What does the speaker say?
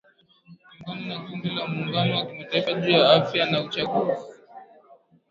Kulingana na kundi la Muungano wa Kimataifa juu ya Afya na Uchafuzi.